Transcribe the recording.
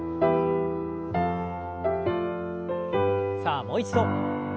さあもう一度。